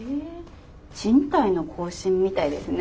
賃貸の更新みたいですね。